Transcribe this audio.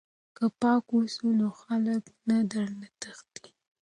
که پاک اوسو نو خلک نه درنه تښتي.